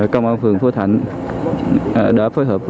công an phường phổ thạnh đã phối hợp với